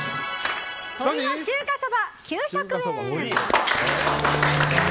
鶏の中華そば、９００円！